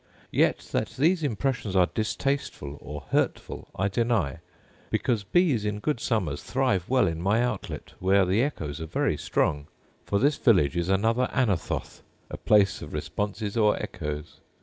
Yet that these impressions are distasteful or hurtful, I deny, because bees, in good summers, thrive well in my outlet, where the echoes are very strong: for this village is another Anathoth, a place of responses or echoes.